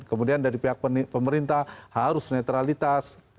kemudian dari pihak pemerintah harus netralitas